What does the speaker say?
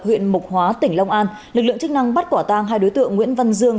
huyện mộc hóa tỉnh long an lực lượng chức năng bắt quả tang hai đối tượng nguyễn văn dương